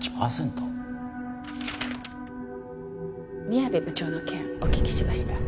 宮部部長の件お聞きしました。